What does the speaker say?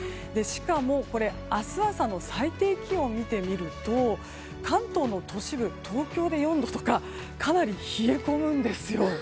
しかも、明日朝の最低気温を見てみると関東の都市部、東京で４度とかかなり冷え込むんですよ。